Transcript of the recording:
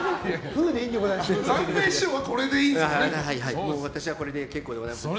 三平師匠はこれでいいんですね。